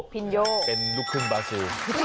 พี่พินโย